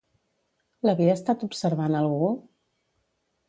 L'havia estat observant algú?